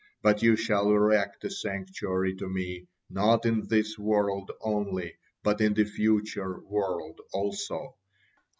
But you shall erect a sanctuary to Me not in this world only, but in the future world also.